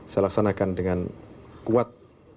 saya laksanakan dengan kuat